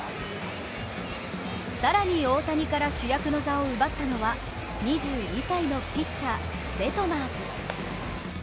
さらに大谷から主役の座を奪ったのは２２歳のピッチャー・デトマーズ。